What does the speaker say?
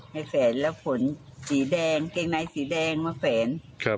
ให้แฝนแล้วขนสีแดงเกงในสีแดงมาแฝน